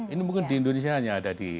ini mungkin di indonesia hanya ada di